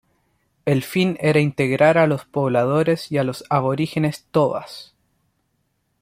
El fin era integrar a los pobladores y a los aborígenes tobas.